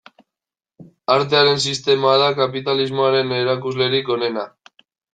Artearen sistema da kapitalismoaren erakuslerik onena.